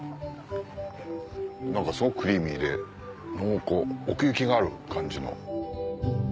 何かすごくクリーミーで濃厚奥行きがある感じの。